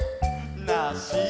「なし！」